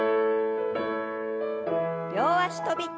両脚跳び。